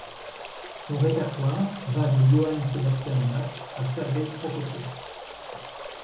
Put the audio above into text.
Son répertoire va de Johann Sebastian Bach à Sergueï Prokofiev.